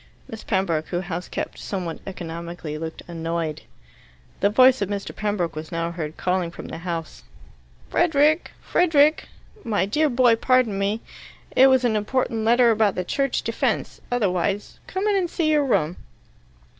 Miss Pembroke, who house kept somewhat economically, looked annoyed. The voice of Mr. Pembroke was now heard calling from the house, "Frederick! Frederick! My dear boy, pardon me. It was an important letter about the Church Defence, otherwise . Come in and see your room."